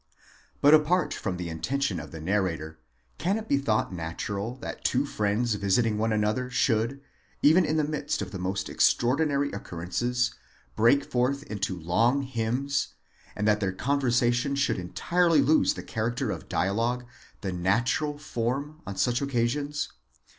But apart from the intention of the narrator, can it be thought natural that two friends visiting one another should, even in the midst of the most extraordinary occurrences, break forth into long hymns, and that their conversation should entirely lose the character of dialogue, the natural form on such occasions?